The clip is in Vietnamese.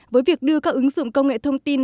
với việc đưa các ứng dụng công nghệ thông tin